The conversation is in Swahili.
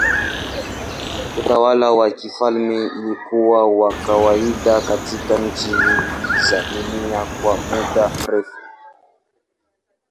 Utawala wa kifalme ulikuwa wa kawaida katika nchi nyingi za dunia kwa muda mrefu.